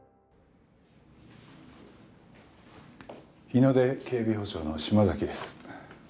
日ノ出警備保障の島崎です。